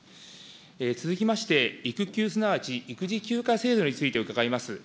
続きまして、育休すなわち育児休暇制度について伺います。